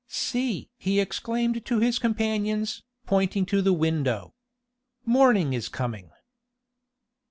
"See!" he exclaimed to his companions, pointing to the window. "Morning is coming."